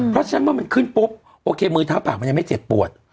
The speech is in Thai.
เพราะฉะนั้นเมื่อมันขึ้นปุ๊บโอเคมือเท้าปากมันยังไม่เจ็บปวด